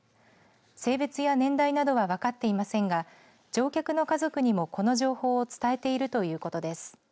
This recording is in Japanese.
性別や年代などは分かっていませんが乗客の家族にも、この情報を伝えているということです。